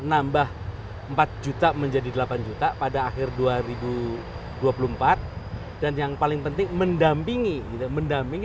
nambah empat juta menjadi delapan juta pada akhir dua ribu dua puluh empat dan yang paling penting mendampingi mendampingi